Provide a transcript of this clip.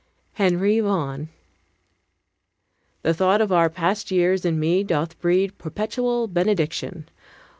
HENRY VAUGHAN The thought of our past years in me doth breed Perpetual benediction.